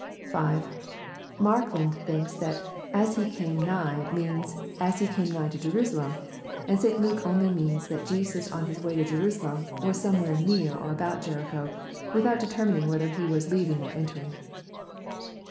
(6.) Markland thinks that " as He came nigh," means, " as He came nigh to Jerusalem" and St. Luke only means that Jesus on His journey to Jerusalem was somewhere near or ahout Jericho, without determining whether he was leaving or en tering.